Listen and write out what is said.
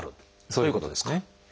そういうことですね。